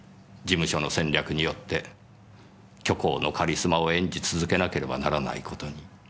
事務所の戦略によって虚構のカリスマを演じ続けなければならない事に。